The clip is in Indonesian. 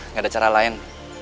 gak ada cara lain